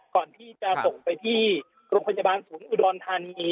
ก่อนที่จะส่งไปที่โรงพยาบาลศูนย์อุดรธานี